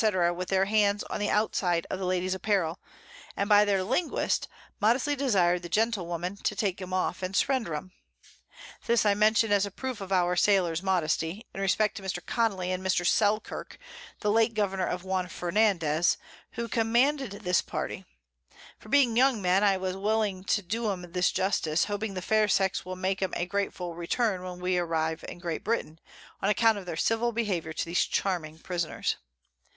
_ with their Hands on the Out side of the Lady's Apparel, and by their Linguist modestly desired the Gentlewomen to take 'em off and surrender 'em. This I mention as a Proof of our Sailors Modesty, and in respect to Mr. Connely and Mr. Selkirk the late Governour of Juan Fernandoes, who commanded this Party: For being young Men, I was willing to do 'em this Justice, hoping the Fair Sex will make 'em a grateful Return when we arrive in Great Britain, on account of their civil Behaviour to these charming Prisoners.